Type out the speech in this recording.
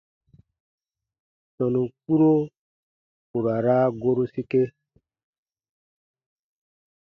Tɔnu kpuro ku ra raa goru sike.